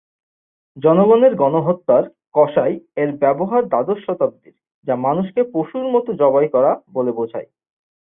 জনগণের গণহত্যার "কসাই" এর ব্যবহার দ্বাদশ শতাব্দীর, যা মানুষকে "পশুর মতো জবাই করা" বলে বোঝায়।